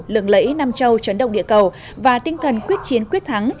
lượng lẫy nam châu trấn động địa cầu và tinh thần quyết chiến quyết thắng